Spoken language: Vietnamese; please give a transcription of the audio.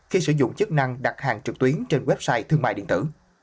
khi sử dụng chức năng đặt hàng trực tuyến trên website thương mại điện tử